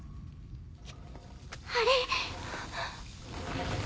あれ！